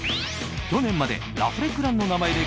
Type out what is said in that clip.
去年までラフレクランの名前で